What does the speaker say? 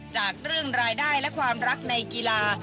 จากเรื่องรายได้และความรักในกีฬา